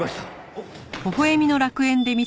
おっ！